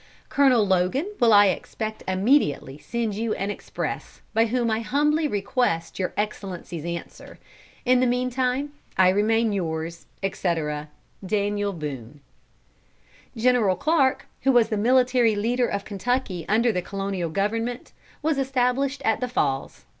Colonel Logan will I expect immediately send you an express, by whom I humbly request Your Excellency's answer. In the meantime, I remain yours, etc., Daniel Boone." General Clarke, who was the military leader of Kentucky under the Colonial government, was established at the Falls.